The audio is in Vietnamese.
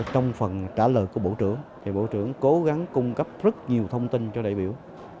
trong phần trả lời của bộ trưởng bộ trưởng cố gắng cung cấp rất nhiều thông tin cho đại biểu